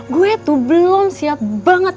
gue tuh belum siap banget